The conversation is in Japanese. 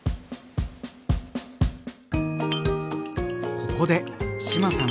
ここで志麻さん